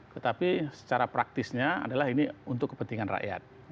tetapi secara praktisnya adalah ini untuk kepentingan rakyat